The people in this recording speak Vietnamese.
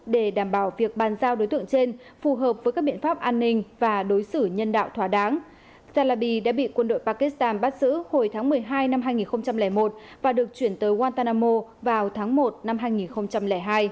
để đảm bảo việc bàn giao đối tượng trên phù hợp với các biện pháp an ninh và đối xử nhân đạo thỏa đáng talaby đã bị quân đội pakistan bắt giữ hồi tháng một mươi hai năm hai nghìn một và được chuyển tới guantanamo vào tháng một năm hai nghìn hai